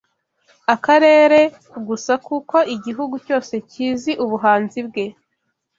akarere gusa kuko igihugu cyose kizi ubuhanzi bwe